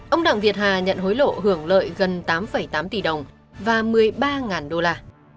ông đặng việt hà nhận hối lộ hưởng lợi gần tám tám tỷ đồng và một mươi ba đô la